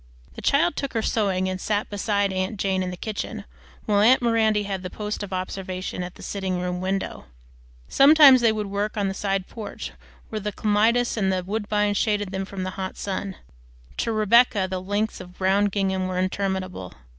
The child took her sewing and sat beside aunt Jane in the kitchen while aunt Miranda had the post of observation at the sitting room window. Sometimes they would work on the side porch where the clematis and woodbine shaded them from the hot sun. To Rebecca the lengths of brown gingham were interminable.